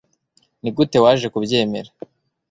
Nigute waje kubyemera